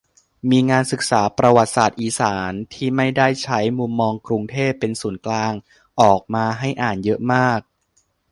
มีงานศึกษาประวัติศาสตร์อีสาน ที่ไม่ได้ใช้มุมมองกรุงเทพเป็นศูนย์กลาง ออกมาให้อ่านเยอะมาก